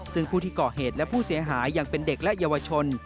ซึ่งผู้ที่ก่อเหตุและผู้เสียหายยังเป็นเด็กและเยาวชน